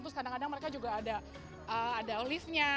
terus kadang kadang mereka juga ada liftnya